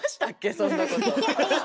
そんなこと。